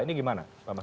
ini gimana pak mas duki